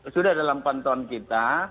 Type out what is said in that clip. sudah dalam pantuan kita